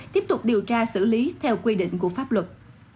tiếp tục điều tra xử lý theo quy định của pháp luật